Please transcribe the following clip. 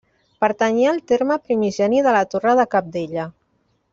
Pertanyia al terme primigeni de la Torre de Cabdella.